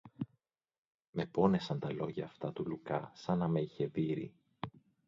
Με πόνεσαν τα λόγια αυτά του Λουκά, σα να με είχε δείρει.